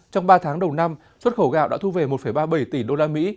trong ba tháng đầu năm xuất khẩu gạo đã thu về một ba mươi bảy tỷ usd